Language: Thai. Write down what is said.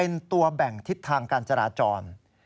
เป็นตัวแบ่งทิศทางการจราจร